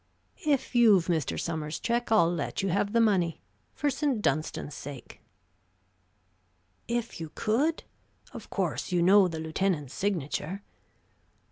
"If you've Mr. Sommers' check, I'll let you have the money for St. Dunstan's sake." "If you could? Of course, you know the lieutenant's signature?"